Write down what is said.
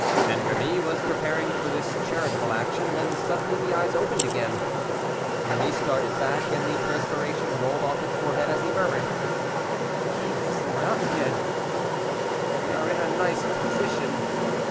And Rémy was preparing for this charitable action, when suddenly the eyes opened again. Rémy started back, and the perspiration rolled off his forehead as he murmured, "He is not dead; we are in a nice position.